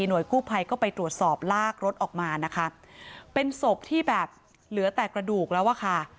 กู้ภัยก็ไปตรวจสอบลากรถออกมานะคะเป็นศพที่แบบเหลือแต่กระดูกแล้วอะค่ะ